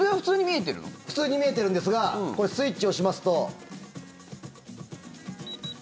普通に見えてるんですがスイッチを押しますと。